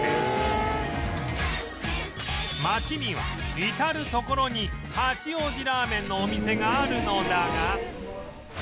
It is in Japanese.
街には至る所に八王子ラーメンのお店があるのだが